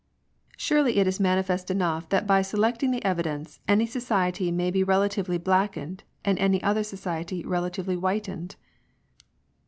" Surely it is manifest enough that by selecting the evidence, any society may be relatively blackened, and any other society relatively whitened."